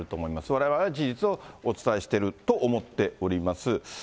われわれは事実をお伝えしていると思っております。